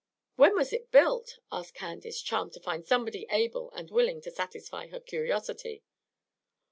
"When was it built?" asked Candace, charmed to find somebody able and willing to satisfy her curiosity.